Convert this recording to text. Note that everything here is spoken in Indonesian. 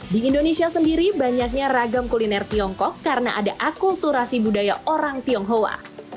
di indonesia sendiri banyaknya ragam kuliner tiongkok karena ada akulturasi budaya orang tionghoa